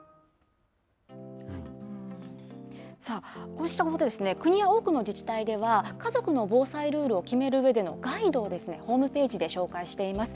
こうしたことですね、国や多くの自治体では、家族の防災ルールを決めるうえでのガイドをホームページで紹介しています。